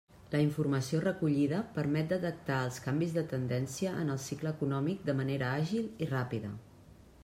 La informació recollida permet detectar els canvis de tendència en el cicle econòmic de manera àgil i ràpida.